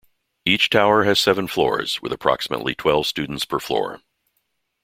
Each tower has seven floors with approximately twelve students per floor.